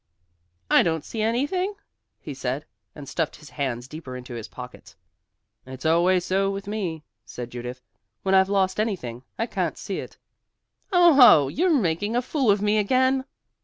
"I don't see anything," he said, and stuffed his hands deeper into his pockets. "It's always so with me," said Judith, "when I've lost anything, I can't see it." "Oh ho, you're making a fool of me again!"